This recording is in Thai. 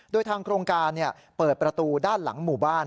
โดยทางโครงการเปิดประตูด้านหลังหมู่บ้าน